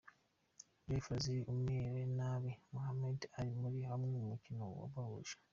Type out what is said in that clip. Joe Frazier amereye nabi Muhammad Ali muri umwe mu mikino yabahuje